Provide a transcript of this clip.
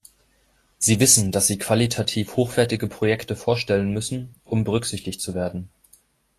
Sie wissen, dass sie qualitativ hochwertige Projekte vorstellen müssen, um berücksichtigt zu werden.